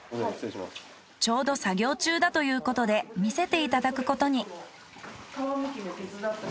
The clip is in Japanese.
ちょうど作業中だということで見せていただくことに。